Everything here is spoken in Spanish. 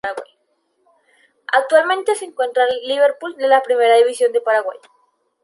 Actualmente se encuentra en Liverpool de la Primera División de Uruguay.